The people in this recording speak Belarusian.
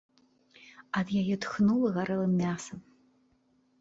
Ад яе тхнула гарэлым мясам.